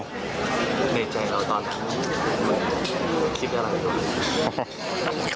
ในใจเราตอนนั้นคิดอะไร